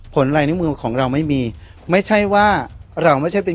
ลายนิ้วมือของเราไม่มีไม่ใช่ว่าเราไม่ใช่เป็น